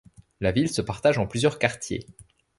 La ville se partage en plusieurs quartiers.